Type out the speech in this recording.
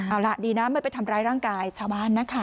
เอาล่ะดีนะไม่ไปทำร้ายร่างกายชาวบ้านนะคะ